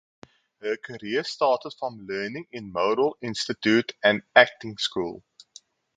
Her career started from learning in Model Institute and Acting School.